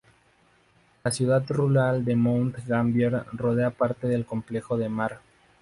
La ciudad rural de Mount Gambier rodea parte del complejo de maar.